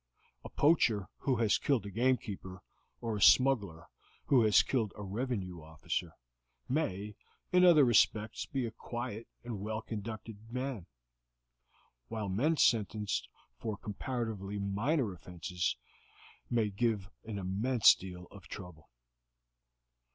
A poacher who has killed a game keeper, or a smuggler who has killed a revenue officer, may in other respects be a quiet and well conducted man, while men sentenced for comparatively minor offenses may give an immense deal of trouble.